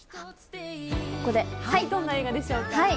どんな映画でしょうか。